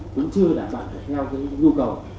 cũng chưa đảm bảo theo cái nhu cầu